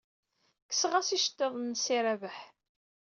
Kkseɣ-as iceḍḍiḍen-nnes i Rabaḥ.